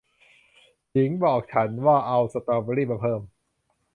หญิงบอกฉันว่าจะเอาสตรอว์เบอร์รี่มาเพิ่ม